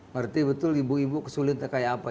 ngerti betul ibu ibu kesulitan kayak apa